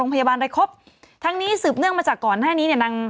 เป็นแพทยิง